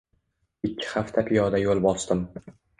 Ikki hafta piyoda yo`l bosdim